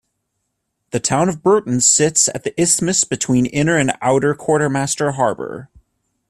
The town of Burton sits at the isthmus between Inner and Outer Quartermaster Harbor.